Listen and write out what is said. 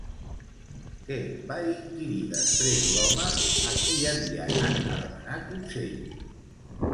Què va inquirir després l'home a qui havia anat a demanar consell?